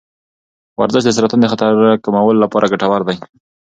ورزش د سرطان د خطر کمولو لپاره ګټور دی.